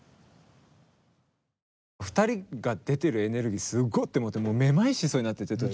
２人が出てるエネルギーすごって思ってめまいしそうになってて途中。